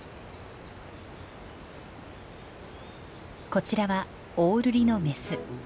こちらはオオルリのメス。